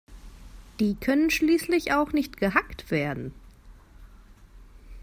Die können schließlich auch nicht gehackt werden.